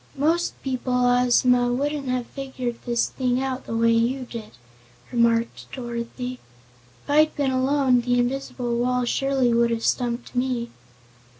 "Most people, Ozma, wouldn't have figured this thing out the way you did," remarked Dorothy. "If I'd been alone the invisible wall surely would have stumped me."